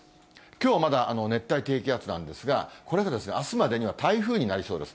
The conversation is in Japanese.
きょうはまだ熱帯低気圧なんですが、これがあすまでには台風になりそうです。